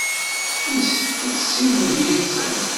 Yessefk ad tessiwlem yid-sen.